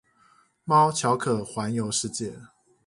貓巧可環遊世界